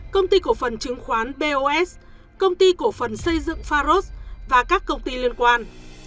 công ty cổ phần chứng khoán bos công ty cổ phần xây dựng pharos và các công ty liên quan